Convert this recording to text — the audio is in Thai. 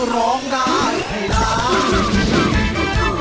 ร้องได้ให้ร้าน